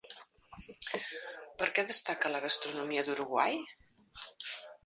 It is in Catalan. Per què destaca la gastronomia d'Uruguai?